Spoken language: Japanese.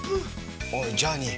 おいジャーニー